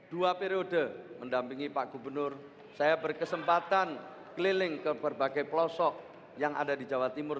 dua periode mendampingi pak gubernur saya berkesempatan keliling ke berbagai pelosok yang ada di jawa timur